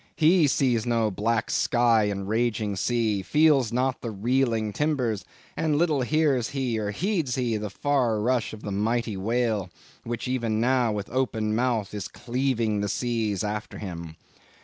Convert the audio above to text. He sees no black sky and raging sea, feels not the reeling timbers, and little hears he or heeds he the far rush of the mighty whale, which even now with open mouth is cleaving the seas after him.